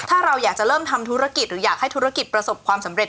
ถ้าเราอยากจะเริ่มทำธุรกิจหรืออยากให้ธุรกิจประสบความสำเร็จ